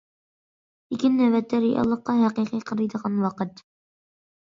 لېكىن، نۆۋەتتە رېئاللىققا ھەقىقىي قارايدىغان ۋاقىت.